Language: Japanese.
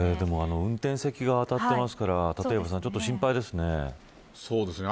運転席側が当たっていますから立岩さん、ちょっと心配ですね。